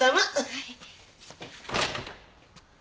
はい。